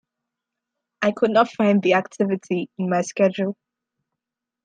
I could not find the activity in my Schedule.